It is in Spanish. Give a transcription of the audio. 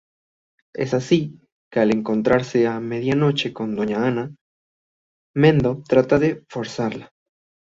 Es así que al encontrarse a medianoche con doña Ana, Mendo trata de forzarla.